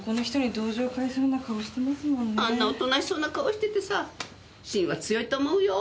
あんなおとなしそうな顔しててさ芯は強いと思うよ